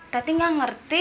tapi gak ngerti